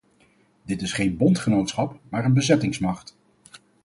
Dit is geen bondgenootschap maar een bezettingsmacht.